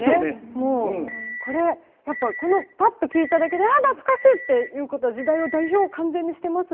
もうこれやっぱパッと聞いただけで「あっ懐かしい！」っていうことは時代を代表完全にしてますし。